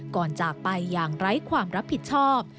ก่อนจะไปอย่างไร้ความรับผิดชอบ